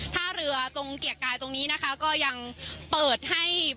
ท่าเรือตรงเกียรติกายตรงนี้นะคะก็ยังเปิดให้